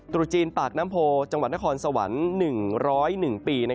ตรุษจีนปากน้ำโพจังหวัดนครสวรรค์๑๐๑ปี